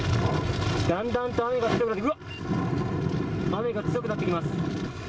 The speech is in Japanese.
だんだんと雨が強くなって、うわっ、雨が強くなってきます。